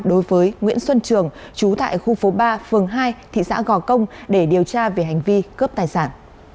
đối với nguyễn xuân trường chú tại khu phố ba phường hai thị xã gò công để điều tra về hành vi cướp tài sản